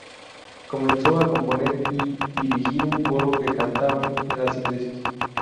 Comenzó a componer y dirigir un coro que cantaban en las iglesias.